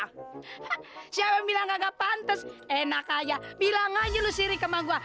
hah siapa bilang gak pantes enak aja bilang aja lu sirikemah gue